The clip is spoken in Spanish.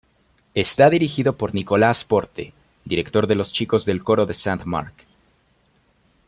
Está dirigido por Nicolás Porte, director de Los chicos del coro de Sant Marc.